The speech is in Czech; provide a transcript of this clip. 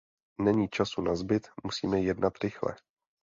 Není času nazbyt, musíme jednat rychle.